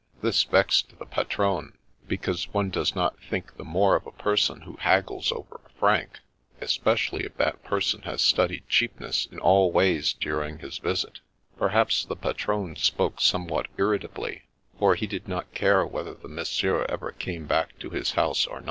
This vexed the patron, because one does not think the more of a person who haggles over a franc, espe cially if that person has studied cheapness in all ways during his visit Perhaps the patron spoke some what irritably, for he did not care whether the monsieur ever came back to his house or not.